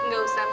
gak usah bang